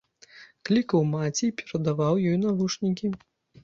Клікаў маці і перадаваў ёй навушнікі.